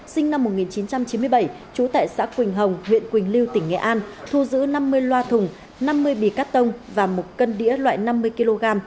sinh năm một nghìn chín trăm chín mươi bảy trú tại xã quỳnh hồng huyện quỳnh lưu tỉnh nghệ an thu giữ năm mươi loa thùng năm mươi bì cắt tông và một cân đĩa loại năm mươi kg